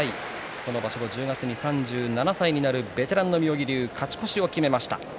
この場所後１０月に３７歳になるベテランの妙義龍勝ち越しを決めました。